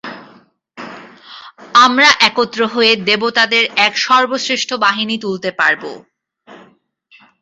আমরা একত্র হয়ে দেবতাদের এক সর্বশ্রেষ্ঠ বাহিনী তুলতে পারবো।